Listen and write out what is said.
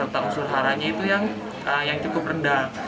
kasur haranya itu yang cukup rendah